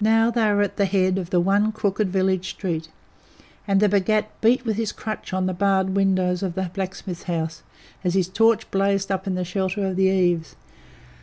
Now they were at the head of the one crooked village street, and the Bhagat beat with his crutch on the barred windows of the blacksmith's house, as his torch blazed up in the shelter of the eaves.